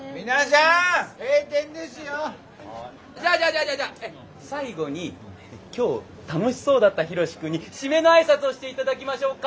じゃあじゃあじゃあじゃあじゃあ最後に今日楽しそうだったヒロシ君に締めの挨拶をして頂きましょうか。